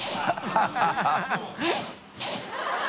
ハハハ